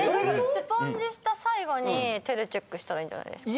スポンジした最後に手でチェックしたらいいんじゃないですか？